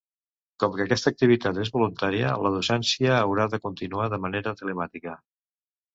Com que aquesta activitat és voluntària, la docència haurà de continuar de manera telemàtica.